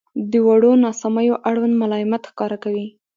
• د وړو ناسمیو اړوند ملایمت ښکاره کوئ.